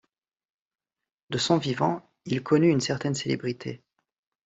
De son vivant, il connut une certaine célébrité.